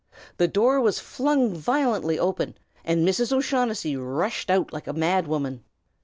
The door was flung violently open, and Mrs. O'Shaughnessy rushed out like a mad woman.